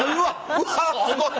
うわすごい！